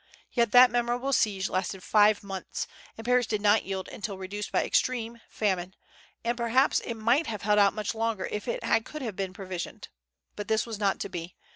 Yet that memorable siege lasted five months, and Paris did not yield until reduced by extreme, famine; and perhaps it might have held out much longer if it could have been provisioned. But this was not to be.